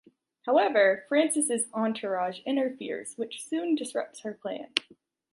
However, Francis' entourage interferes, which soon disrupts their plans...